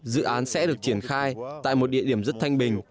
dự án sẽ được triển khai tại một địa điểm rất thanh bình